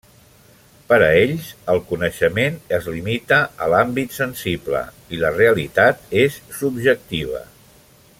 Per a ells, el coneixement es limita a l'àmbit sensible i la realitat és subjectiva.